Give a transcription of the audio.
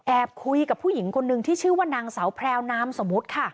คุยกับผู้หญิงคนนึงที่ชื่อว่านางสาวแพรวนามสมมุติค่ะ